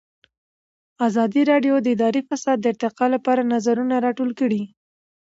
ازادي راډیو د اداري فساد د ارتقا لپاره نظرونه راټول کړي.